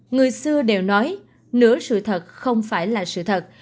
người xưa đều nói nữa sự thật không phải là sự thật